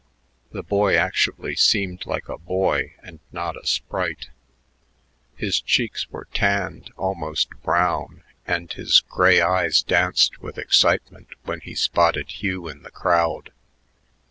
The boy actually seemed like a boy and not a sprite; his cheeks were tanned almost brown, and his gray eyes danced with excitement when he spotted Hugh in the crowd.